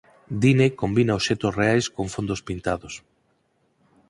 Dine combina obxectos reais con fondos pintados.